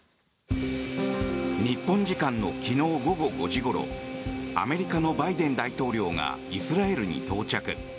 日本時間の昨日午後５時ごろアメリカのバイデン大統領がイスラエルに到着。